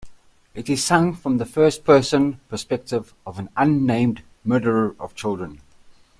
It is sung from the first person perspective of an unnamed murderer of children.